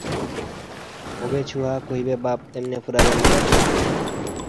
উদ্দেশ্য ছিল জরুরী ভিত্তিতে আহত মুক্তিযোদ্ধাদের চিকিৎসা করা।